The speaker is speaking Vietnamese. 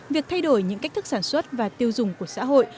việc thay đổi những cách thức sản xuất và tiêu dùng của xã hội